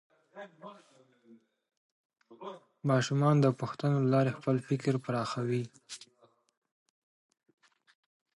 ماشومان د پوښتنو له لارې خپل فکر پراخوي